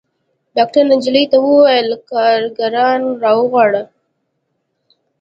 ډاکتر نجلۍ ته وويل کارګران راوغواړه.